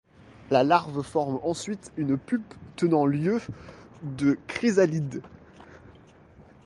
La larve forme ensuite une pupe tenant lieu de chrysalide.